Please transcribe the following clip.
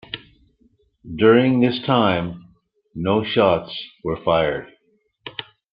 During this time, no shots were fired.